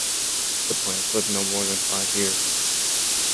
The plants live no more than five years.